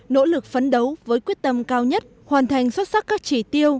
nỗ lực phấn đấu với quyết tâm cao nhất hoàn thành xuất sắc các chỉ tiêu